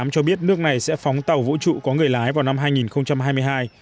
cho biết nước này sẽ phóng tàu vũ trụ có người lái vào năm hai nghìn hai mươi hai